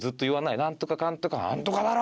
「なんとかかんとかなんとかだろ！」